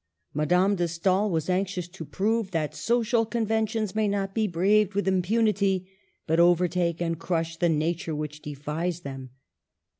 Madame de Stael was anxious to prove that social conventions may not be braved with impunity, but overtake and crush the nature which defies them.